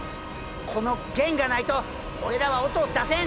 この弦がないと俺らは音を出せん！